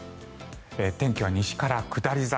天気は西から下り坂。